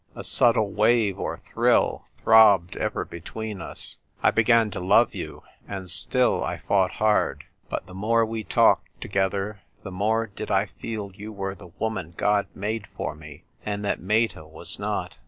A subtle v/ave or thrill throbbed ever between us. I began to love you ; and still I fought hard. But the more we talked together the more did I feel you were the woman God made for me, and that Meta was not.